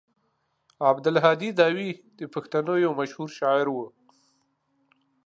عبدالهادي داوي د پښتنو يو مشهور شاعر و.